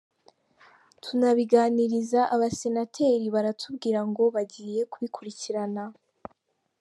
tunabiganiriza abasenateri baratubwira ngo bagiye kubikurikirana.